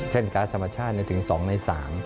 เช่นการ์ดสัมบัติชาติถึง๒ใน๓